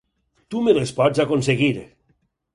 Tu me les pots aconseguir!